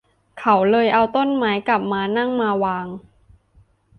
เขาเลยเอาต้นไม้กับม้านั่งมาวาง